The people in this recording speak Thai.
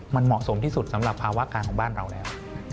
มันเหมาะสมที่สุดสำหรับภาวะการของบ้านเราแล้ว